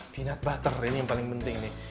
pinat butter ini yang paling penting nih